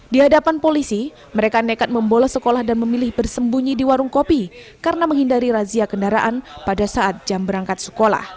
di hadapan polisi mereka nekat membolos sekolah dan memilih bersembunyi di warung kopi karena menghindari razia kendaraan pada saat jam berangkat sekolah